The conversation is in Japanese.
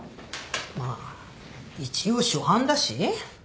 まあ一応初犯だし？